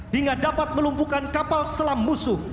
hingga dapat melumpuhkan kapal selam musuh